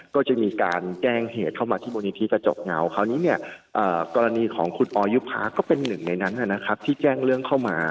ก็จะมีการแจ้งเหตุเข้ามาที่บริษัทกระจกเงาคราวนี้กรณีของคุณออยยุภาคือหนึ่งในนั้นที่แจ้งเรื่องเข้ามา